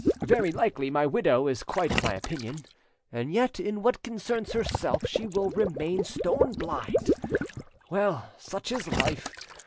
Very likely my widow is quite of my opinion, and yet in what concerns herself she will remain stone blind. Well, such is life!